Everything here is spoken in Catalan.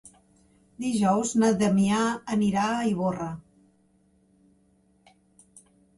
Dijous na Damià anirà a Ivorra.